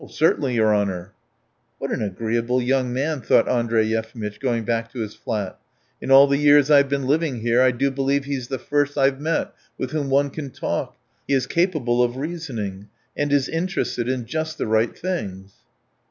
"Certainly, your honour." "What an agreeable young man!" thought Andrey Yefimitch, going back to his flat. "In all the years I have been living here I do believe he is the first I have met with whom one can talk. He is capable of reasoning and is interested in just the right things."